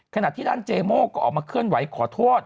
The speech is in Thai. ขณะที่ด้านเจโม่ก็ออกมาเคลื่อนไหวขอโทษ